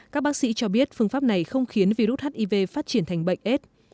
các bác sĩ cho biết phương pháp này không khiến virus hiv phát triển thành bệnh s